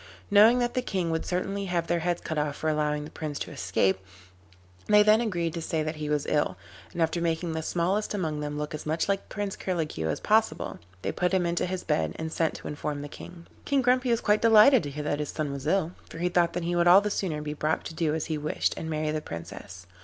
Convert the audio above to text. Knowing that the King would certainly have their heads cut off for allowing the Prince to escape, they then agreed to say that he was ill, and after making the smallest among them look as much like Prince Curlicue as possible, they put him into his bed and sent to inform the King. King Grumpy was quite delighted to hear that his son was ill, for he thought that he would all the sooner be brought to do as he wished, and marry the Princess.